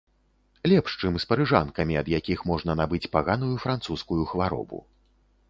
Лепш, чым з парыжанкамі, ад якіх можна набыць паганую французскую хваробу.